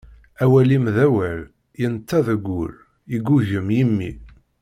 Awal-im d awal, yenta deg ul, yeggugem yimi.